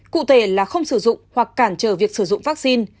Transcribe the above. cụ thể là không sử dụng hoặc cản trở việc sử dụng vaccine